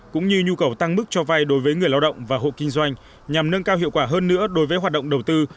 cũng như nhu cầu tăng mức cho vay đối với người lao động và hộ kinh doanh nhằm nâng cao hiệu quả hơn nữa đối với hoạt động đầu tư